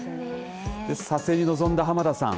撮影に臨んだ濱田さん。